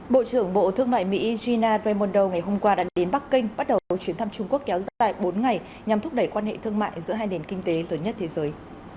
bộ trưởng bộ thương mại mỹ gina raimondo ngày hôm qua đã đến bắc kinh bắt đầu chuyến thăm trung quốc kéo dài bốn ngày nhằm thúc đẩy quan hệ thương mại giữa hai nền kinh tế lớn nhất thế giới